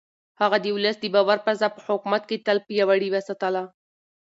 هغه د ولس د باور فضا په حکومت کې تل پياوړې وساتله.